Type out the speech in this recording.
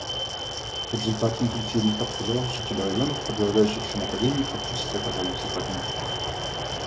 В результате интенсивных обстрелов жители районов, подвергающихся нападению, фактически оказались в западне.